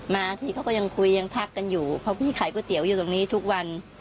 มาพี่เขาก็ยังคุยยังทักกันอยู่เพราะพี่ขายก๋วยเตี๋ยวอยู่ตรงนี้ทุกวัน